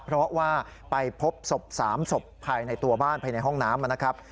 เพราะว่าไปพบศพ๓ศพภายในตัวบ้านภายในห้องน้ำนะครับ